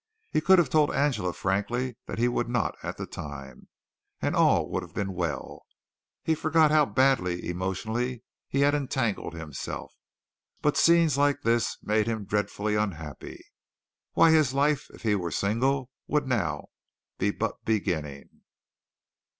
He could have told Angela frankly that he would not at the time, and all would have been well. He forgot how badly, emotionally, he had entangled himself. But scenes like these made him dreadfully unhappy. Why, his life if he were single would now be but beginning!